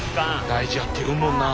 大事やって言うもんな。